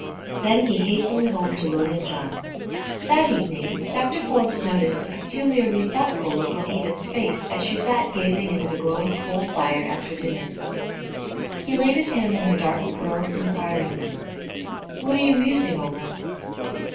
Then he hastened home to William John. That evening Doctor Forbes noticed a peculiarly thoughtful look on Edith's face as she sat gazing into the glowing coal fire after dinner. He laid his hand on her dark curls inquiringly. "What are you musing over?"